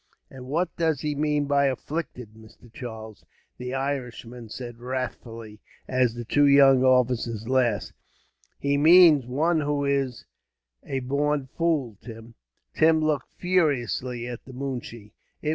"And what does he mean by afflicted, Mr. Charles?" the Irishman said wrathfully, as the two young officers laughed. "He means one who is a born fool, Tim." Tim looked furiously at the moonshee.